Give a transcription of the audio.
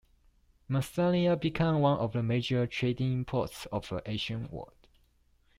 Massalia became one of the major trading ports of the ancient world.